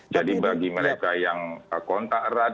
jadi bagi mereka yang kontak erat